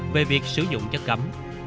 về việc sử dụng chất cấm